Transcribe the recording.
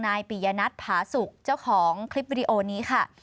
ปิยนัทผาสุกเจ้าของคลิปวิดีโอนี้ค่ะ